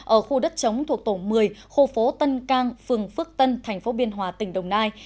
ở khu đất chống thuộc tổng một mươi khu phố tân cang phường phước tân tp biên hòa tỉnh đồng nai